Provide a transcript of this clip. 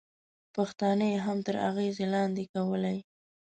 پښتانه یې هم تر اغېزې لاندې کولای.